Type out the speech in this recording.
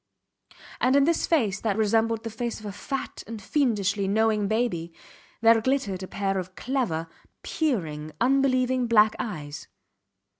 And in this face that resembled the face of a fat and fiendishly knowing baby there glittered a pair of clever, peering, unbelieving black eyes.